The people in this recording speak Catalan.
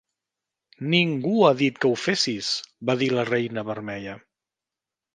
"Ningú ha dit que ho fessis", va dir la Reina Vermella.